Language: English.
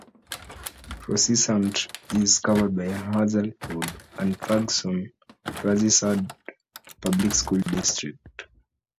Florissant is covered by the Hazelwood and Ferguson-Florissant public school districts.